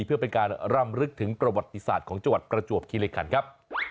เพื่อเป็นการรำลึกถึงประวัติศาสตร์ของจังหวัดประจวบคิริคันครับ